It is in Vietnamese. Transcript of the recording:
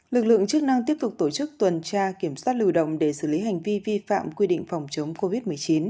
lực lượng chức năng tiếp tục tổ chức tuần tra kiểm soát lưu động để xử lý hành vi vi phạm quy định phòng chống covid một mươi chín